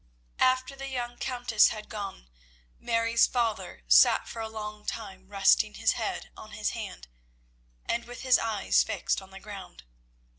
After the young Countess had gone, Mary's father sat for a long time resting his head on his hand and with his eyes fixed on the ground.